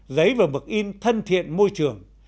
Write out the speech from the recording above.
giấy và mực in thân thiện môi trường